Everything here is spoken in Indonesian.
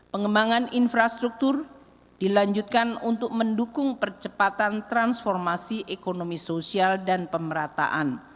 pengembangan infrastruktur dilanjutkan untuk mendukung percepatan transformasi ekonomi sosial dan pemerataan